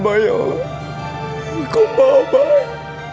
saya pencari bantuan